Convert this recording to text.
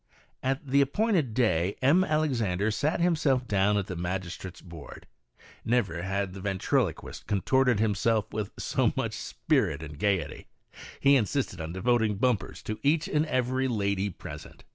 At the appointed day M. Alexandre sat himself down at the magistrate's board. Never had the ventriloquist comported him self with so much spirit and gaiety. He insisted on devoting bumpers to each and every lady present.